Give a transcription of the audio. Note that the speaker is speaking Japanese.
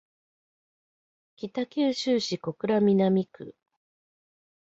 北九州市小倉南区